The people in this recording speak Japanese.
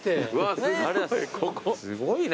すごいな。